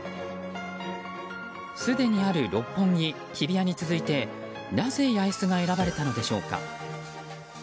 すでにある六本木、日比谷に続いてなぜ八重洲が選ばれたのでしょうか。